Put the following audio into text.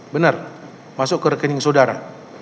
benar masuk ke rekening saudara